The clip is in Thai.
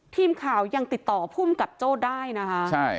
ทีมข่าวยังติดต่อภูมิกับโจ้ได้นะคะใช่